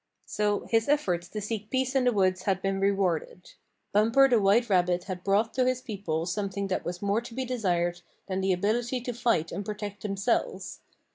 So his efforts to seek peace in the woods had been rewarded. Bumper the white rabbit had brought to his people something that was more to be desired than the ability to fight and protect themselves.